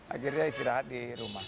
akhirnya istirahat di rumah